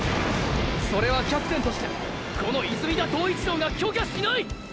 それはキャプテンとしてこの泉田塔一郎が許可しない！！